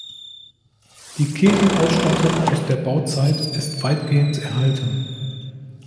Die Kirchenausstattung aus der Bauzeit ist weitgehend erhalten.